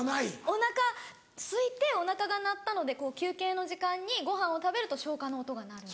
おなかすいておなかが鳴ったので休憩の時間にご飯を食べると消化の音が鳴る。